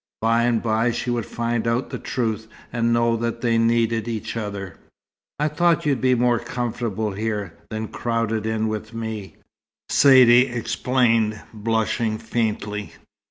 By and by she would find out the truth, and know that they needed each other. "I thought you'd be more comfortable here, than crowded in with me," Saidee explained, blushing faintly.